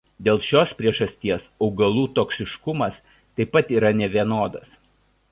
Dėl šios priežasties augalų toksiškumas taip pat yra nevienodas.